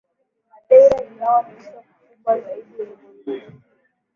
Madeira Ingawa ni mto mkubwa zaidi ulimwenguni